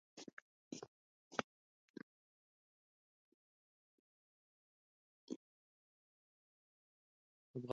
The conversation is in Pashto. افغاني هلکان دې په دې وخت کې.